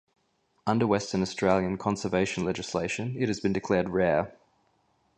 Under Western Australian conservation legislation it has been declared "rare".